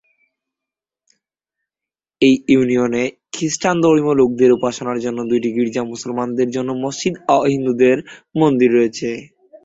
এই ইউনিয়নে খ্রিষ্টান ধর্মীয় লোকদের উপাসনার জন্য দুইটি গীর্জা, মুসলমানদের জন্য মসজিদ ও হিন্দুদের মন্দির রয়েছে।